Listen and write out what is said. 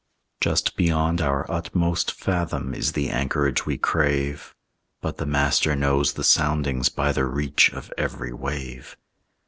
Just beyond our utmost fathom Is the anchorage we crave, But the Master knows the soundings By the reach of every wave.